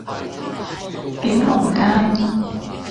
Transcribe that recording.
景隆街